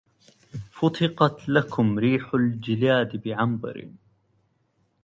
فتقت لكم ريح الجلاد بعنبر